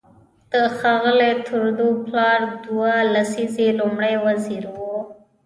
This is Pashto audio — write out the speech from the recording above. د ښاغلي ترودو پلار دوه لسیزې لومړی وزیر و.